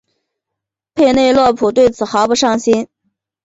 佩内洛普对此毫不上心。